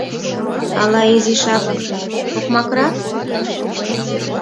Ала изишак окмакрак?